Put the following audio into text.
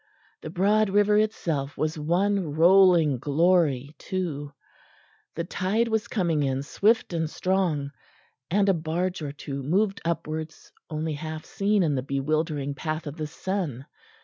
The broad river itself was one rolling glory too; the tide was coming in swift and strong and a barge or two moved upwards, only half seen in the bewildering path of the sun.